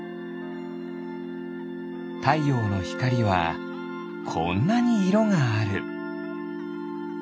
たいようのひかりはこんなにいろがある。